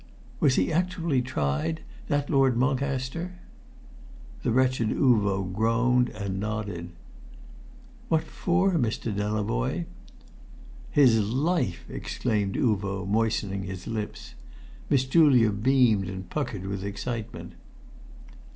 "Was he actually tried that Lord Mulcaster?" The wretched Uvo groaned and nodded. "What for, Mr. Delavoye?" "His life!" exclaimed Uvo, moistening his lips. Miss Julia beamed and puckered with excitement.